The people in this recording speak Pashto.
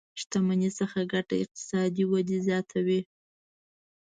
شتمنۍ څخه ګټه اقتصادي ودې زياته وي.